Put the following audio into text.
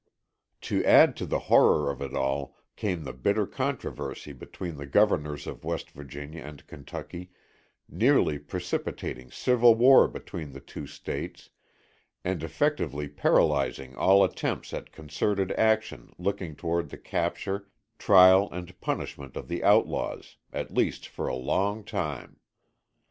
To add to the horror of it all, came the bitter controversy between the governors of West Virginia and Kentucky, nearly precipitating civil war between the two States, and effectively paralyzing all attempts at concerted action looking toward the capture, trial and punishment of the outlaws, at least for a long time.